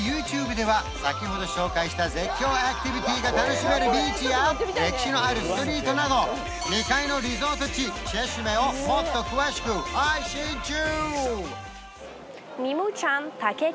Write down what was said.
ＹｏｕＴｕｂｅでは先ほど紹介した絶叫アクティビティが楽しめるビーチや歴史のあるストリートなど未開のリゾート地チェシュメをもっと詳しく配信中！